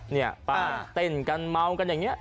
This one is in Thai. เนี่ยป้าเต้นกันเมากันอย่างนี้